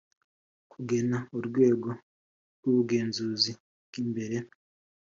kugena urwego rw ubugenzuzi bw imbere